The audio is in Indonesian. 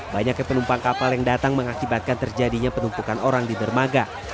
banyaknya penumpang kapal yang datang mengakibatkan terjadinya penumpukan orang di dermaga